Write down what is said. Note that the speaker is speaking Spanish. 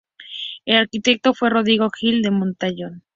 El arquitecto fue Rodrigo Gil de Hontañón.